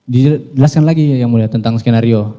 dijelaskan lagi yang mulia tentang skenario